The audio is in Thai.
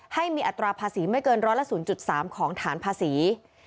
ให้มีอัตราภาษีไม่เกินร้อยละ๐๓ของฐานภาษี